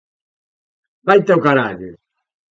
Vaite ao carallo!